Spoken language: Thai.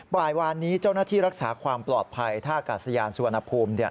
วานนี้เจ้าหน้าที่รักษาความปลอดภัยท่ากาศยานสุวรรณภูมิ